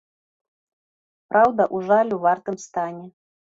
Праўда, у жалю вартым стане.